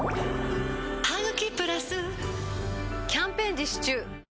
「ハグキプラス」キャンペーン実施中